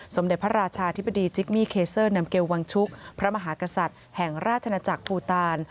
สมเด็จพระราชาธิบดีจิกมี่เคเซอร์นำเกลวังชุกพระมหากษัตริย์แห่งราชนาจักรภูตาล